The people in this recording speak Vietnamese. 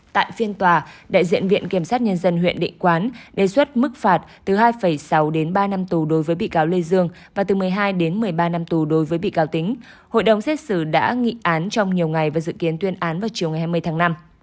tại phiên tòa đại diện viện kiểm sát nhân dân huyện địa quán đề xuất mức phạt từ hai sáu đến ba năm tù đối với bị cáo lê dương và từ một mươi hai đến một mươi ba năm tù đối với bị cáo tính hội đồng xét xử đã nghị án trong nhiều ngày và dự kiến tuyên án vào chiều ngày hai mươi tháng năm